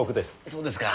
そうですか。